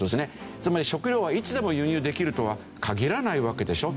つまり食料はいつでも輸入できるとは限らないわけでしょ？